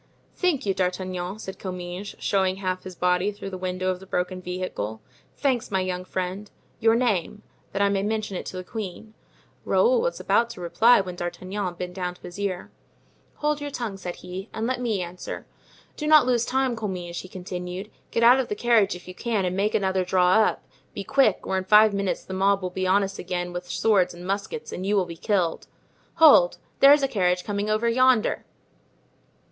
"Thank you, D'Artagnan," said Comminges, showing half of his body through the window of the broken vehicle, "thanks, my young friend; your name—that I may mention it to the queen." Raoul was about to reply when D'Artagnan bent down to his ear. "Hold your tongue," said he, "and let me answer. Do not lose time, Comminges," he continued; "get out of the carriage if you can and make another draw up; be quick, or in five minutes the mob will be on us again with swords and muskets and you will be killed. Hold! there's a carriage coming over yonder."